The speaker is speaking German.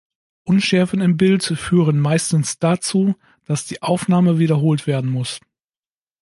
Unschärfen im Bild führen meistens dazu, dass die Aufnahme wiederholt werden muss.